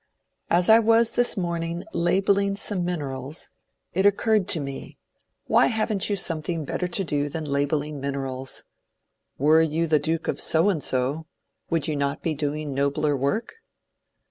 ^* As I was this morning labelling some minerals it occurred 110 MONCURE DANIEL CONWAY to me : Why have n't you something better to do than label ling minerals ? Were you the Duke of So and So, would you not be doing nobler work?"